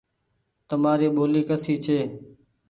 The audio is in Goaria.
تمآري ٻولي ڪسي ڇي ۔